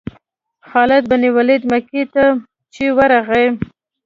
خالد بن ولید مکې ته چې ورغی.